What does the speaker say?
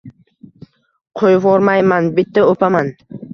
— Qo‘yvormayman. Bitta o‘paman!..